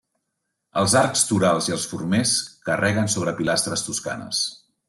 Els arcs torals i els formers carreguen sobre pilastres toscanes.